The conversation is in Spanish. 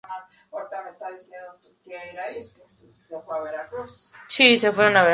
Las temperaturas varían poco a lo largo del año.